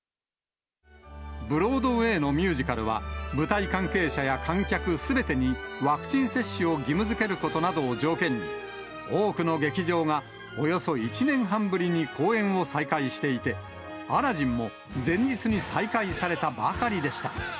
ブロードウェイのミュージカルは、舞台関係者や観客すべてに、ワクチン接種を義務づけることなどを条件に、多くの劇場がおよそ１年半ぶりに公演を再開していて、アラジンも前日に再開されたばかりでした。